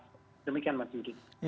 demikian mas yudi